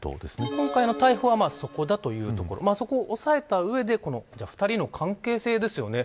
今回の逮捕はそこだというところそこを押さえたうえで２人の関係性ですよね。